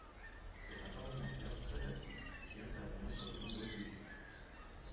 C'est un parlementaire très actif, qui intervient sur de nombreux sujet.